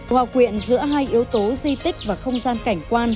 hòa quyện giữa hai yếu tố di tích và không gian cảnh quan